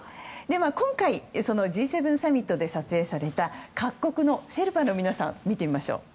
今回、そのＧ７サミットで撮影された各国のシェルパの皆さん見てみましょう。